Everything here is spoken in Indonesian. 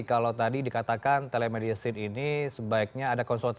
kalau tadi dikatakan telemedicine ini sebaiknya ada konsultasi